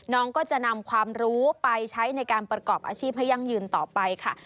น้องก็จะนำความรู้ไปใช้ในการประกอบอาชีพให้ยั่งยืนต่อไปค่ะ